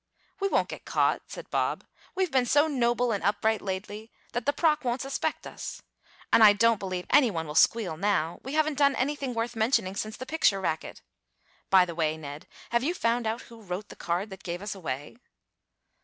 "We won't get caught," said Bob. "We've been so noble and upright lately that the proc won't suspect us. And I don't believe any one will squeal now. We haven't done anything worth mentioning since the picture racket. By the way, Ned, have you found out who wrote the card that gave us away?"